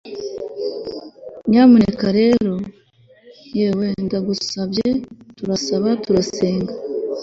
Nyamuneka rero yewe ndagusabye turasaba turasenga